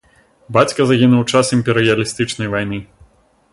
Бацька загінуў у час імперыялістычнай вайны.